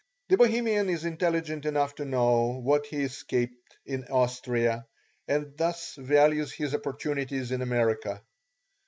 The Bohemian is intelligent enough to know what he escaped in Austria, and thus values his opportunities in America.